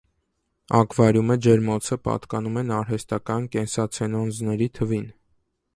Ակվարիումը, ջերմոցը պատկանում են արհեստական կենսացենոզների թվին։